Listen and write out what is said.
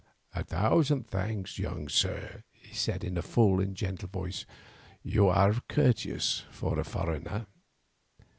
"A thousand thanks, young sir," he said in a full and gentle voice. "You are courteous for a foreigner."